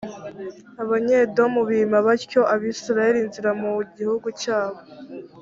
abanyedomu bima batyo abayisraheli inzira mu gihugu cyabo.